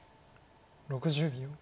６０秒。